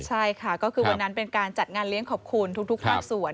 ใช่ค่ะก็คือวันนั้นเป็นการจัดงานเลี้ยงขอบคุณทุกภาคส่วน